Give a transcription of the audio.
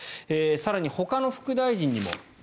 更に、ほかの副大臣にも。